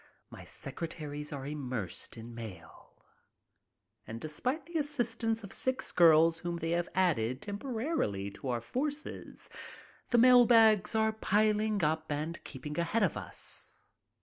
My secre taries are immersed in mail and, despite the assistance of six girls whom they have added temporarily to our forces, the mail bags are piling up and keeping ahead of us.